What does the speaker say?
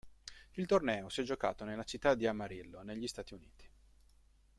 Il torneo si è giocato nella città di Amarillo negli Stati Uniti.